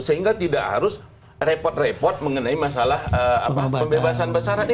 sehingga tidak harus repot repot mengenai masalah pembebasan besaran